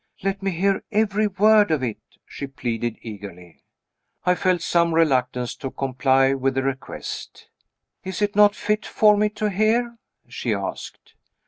"Let me hear every word of it!" she pleaded eagerly. I felt some reluctance to comply with the request. "Is it not fit for me to hear?" she asked.